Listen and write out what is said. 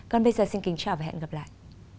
còn bây giờ xin kính chào và hẹn gặp lại